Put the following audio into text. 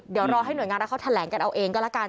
เดี๋ยวรอให้หน่วยงานรัฐเขาแถลงกันเอาเองก็ละกัน